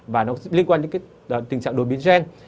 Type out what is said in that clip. và nó liên quan đến tình trạng đối biến gen